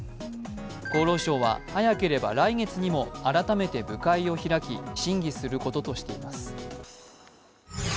厚労省は早ければ来月にも改めて部会を開き審議することとしています。